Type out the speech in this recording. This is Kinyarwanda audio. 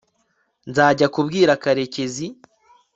nzajya kubwira karekezi